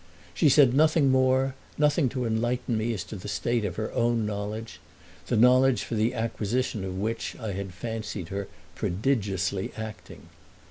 She said nothing more, nothing to enlighten me as to the state of her own knowledge—the knowledge for the acquisition of which I had fancied her prodigiously acting.